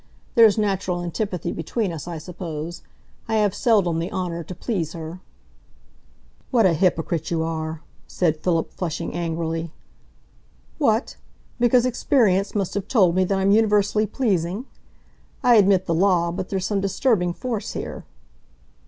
There's natural antipathy between us, I suppose; I have seldom the honour to please her." "What a hypocrite you are!" said Philip, flushing angrily. "What! because experience must have told me that I'm universally pleasing? I admit the law, but there's some disturbing force here."